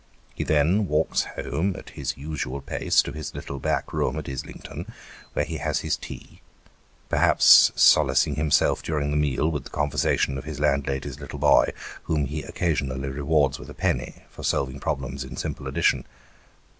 He then walks home, at his usual pace, to his little back room at Islington, where he has his tea ; perhaps solacing himself during the meal with the conversation of his landlady's little boy, whom he occasionally rewards with a penny, for solving problems in simple addition.